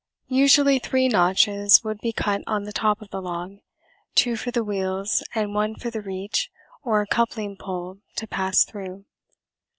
Usually three notches would be cut on the top of the log, two for the wheels and one for the reach, or coupling pole, to pass through.